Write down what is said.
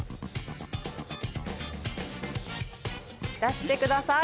出してください！